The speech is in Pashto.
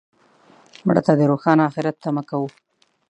مړه ته د روښانه آخرت تمه کوو